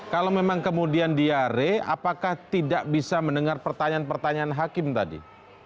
kalau memang kemudian diare apakah tidak bisa mendengar pertanyaan pertanyaan hakim tadi